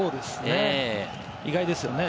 意外ですよね。